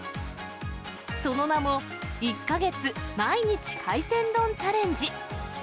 その名も、１か月毎日海鮮丼チャレンジ。